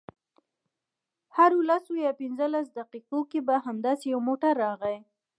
هرو لسو یا پنځلسو دقیقو کې به همداسې یو موټر راغی.